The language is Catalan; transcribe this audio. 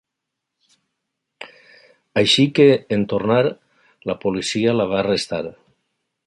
Així que, en tornar, la policia la va arrestar.